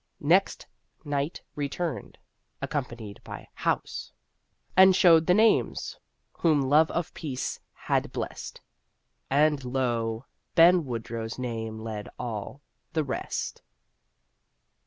Next night returned (accompanied by House) And showed the names whom love of Peace had blest. And lo! Ben Woodrow's name led all the rest!